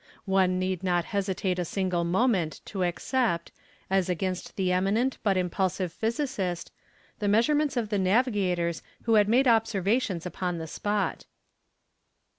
One need not hesitate a single moment to accept, as against the eminent but impulsive physicist, the measurements of the navigators who had made observations upon the spot.